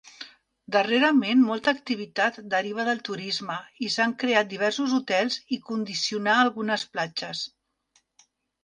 Darrerament molta activitat deriva del turisme i s'han creat diversos hotels i condicionar algunes platges.